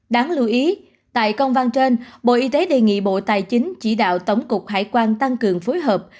đáng lưu ý tại công văn trên bộ y tế đề nghị bộ tài chính chỉ đạo tổng cục hải quan tăng cường phối hợp